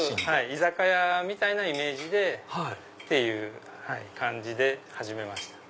居酒屋みたいなイメージでっていう感じで始めました。